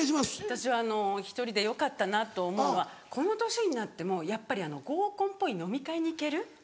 私は１人でよかったなと思うのはこの年になってもやっぱり合コンっぽい飲み会に行ける。